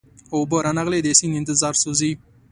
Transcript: اوبه را نغلې د سیند انتظار سوزي